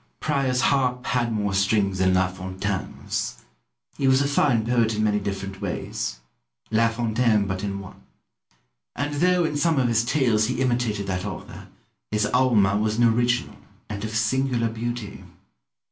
Pope. Prior's harp had more strings than La Fontaine's. He was a fine poet in many different ways: La Fontaine but in one. And, though in some of his tales he imitated that author, his "Alma" was an original, and of singular beauty.